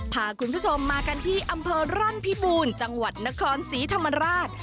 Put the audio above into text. พาคุณผู้ชมมากันที่อำเภอร่อนพิบูรณ์จังหวัดนครศรีธรรมราช